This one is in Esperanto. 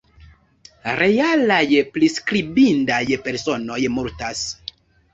Realaj priskribindaj personoj multas.